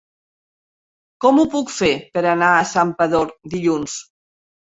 Com ho puc fer per anar a Santpedor dilluns?